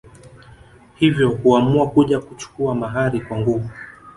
Hivyo huamua kuja kuchukua mahari kwa nguvu